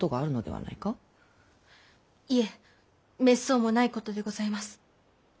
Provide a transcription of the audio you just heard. いえめっそうもないことでございます。